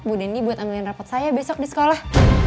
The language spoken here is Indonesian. bu dendi buat ambilin rapot saya besok di sekolah